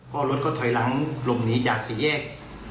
พอรถก็ถอยหลังหลบหนีจากสี่แยก